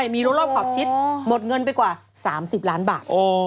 มีรถรอบขอบชิดหมดเงินไปกว่า๓๐ล้านบาท